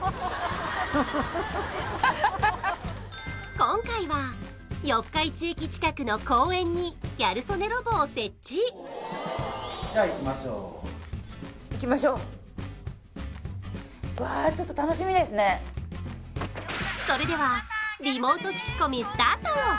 今回は四日市駅近くの公園にギャル曽根ロボを設置わちょっとそれではリモート聞き込みスタート